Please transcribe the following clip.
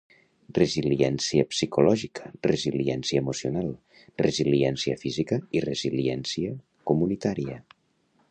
Resiliència psicològica, resiliència emocional, resiliència física i resiliència comunitària